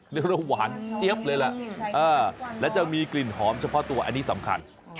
เรียกว่าหวานเจี๊ยบเลยล่ะแล้วจะมีกลิ่นหอมเฉพาะตัวอันนี้สำคัญ